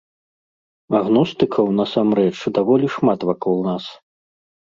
Агностыкаў, насамрэч, даволі шмат вакол нас.